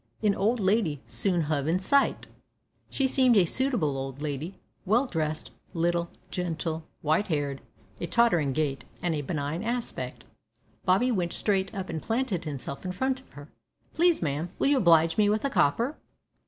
An old lady soon hove in sight. She seemed a suitable old lady, well dressed, little, gentle, white haired, a tottering gait, and a benign aspect. Bobby went straight up and planted himself in front of her. "Please, ma'am, will you oblige me with a copper?"